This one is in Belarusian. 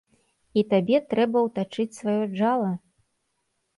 І табе трэба ўтачыць сваё джала?